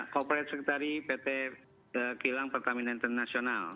corporate sekretari pt kilang pertamina internasional